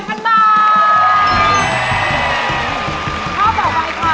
ข้อบอกไปค่ะ